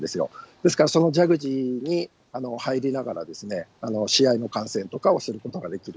ですから、そのジャグジーに入りながらですね、試合の観戦とかをすることができる。